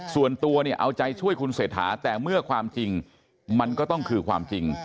ส่วนตัวเนี่ยเอาใจช่วยคุณเศรษฐาแต่เมื่อความจริงมันก็ต้องคือความจริง